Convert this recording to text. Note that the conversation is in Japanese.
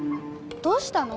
どうしたの？